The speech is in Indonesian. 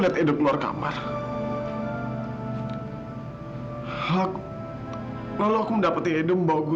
tidurlah kafa anakku sayang